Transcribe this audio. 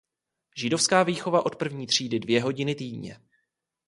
Židovská výchova od první třídy dvě hodiny týdně.